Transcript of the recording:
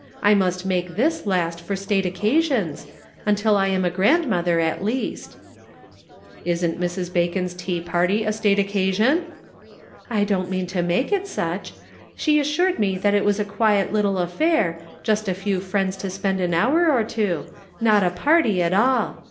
I must make this last for state occa sions, until I am a grandmother at least." 106 The Pocket Measure. "Isn't Mrs. Bacon's tea party a state occa sion ?"" I don't mean to make it such. She as sured me it was a quiet little affair, just a few friends to spend an hour or two, not a party at all.